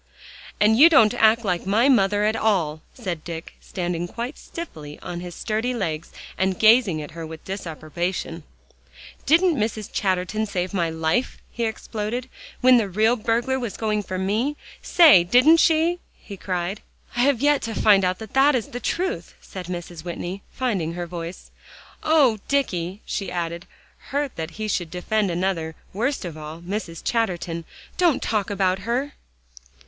"And you don't act like my mother at all," said Dick, standing quite stiffly on his sturdy legs, and gazing at her with disapprobation. "Didn't Mrs. Chatterton save my life," he exploded, "when the real burglar was going for me? Say, didn't she?" he cried. "I have yet to find out that is the truth," said Mrs. Whitney, finding her voice. "Oh, Dicky," she added, hurt that he should defend another, worst of all, Mrs. Chatterton, "don't talk about her."